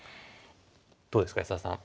どうですか安田さん。